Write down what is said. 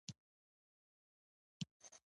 اوبه له ژوند سره دي.